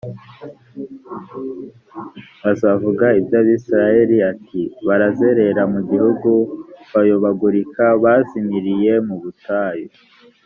azavuga iby abisirayeli ati barazerera mu gihugu bayobagurika bazimiriye mu butayu